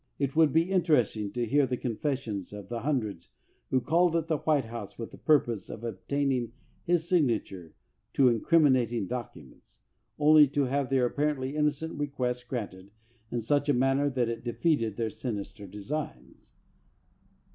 It would be interesting to hear the confessions of the hun dreds who called at the White House with the purpose of obtaining his signature to incrimi nating documents, only to have their apparently innocent request granted in such manner that it defeated their sinister designs.